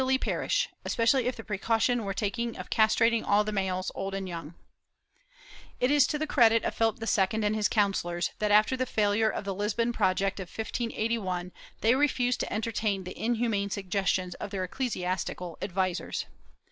390 MOBISCOS [Book VIII ily perish, especially if the precaution were taken of castrating all the males, old and young/ It is to the credit of PhiHp II and his counsellors that, after the failure of the Lisbon project of 1581, they refused to enter tain the inhuman suggestions of their ecclesiastical advisers.